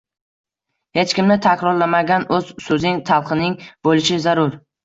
Hech kimni takrorlamagan o‘z so‘zing, talqining bo‘lishi zarur.